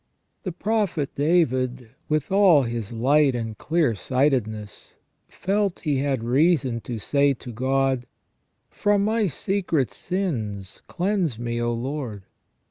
The prophet David, with all his light and clear sightedness, felt he had reason to say to God :" From my secret sins cleanse me, O Lord